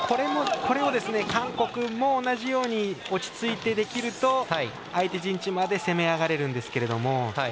これを韓国も同じように落ち着いてできると相手陣地まで攻め上がられるんですけど。